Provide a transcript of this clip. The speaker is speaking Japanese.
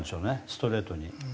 ストレートに。